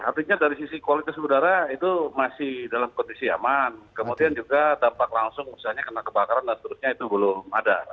artinya dari sisi kualitas udara itu masih dalam kondisi aman kemudian juga dampak langsung misalnya kena kebakaran dan seterusnya itu belum ada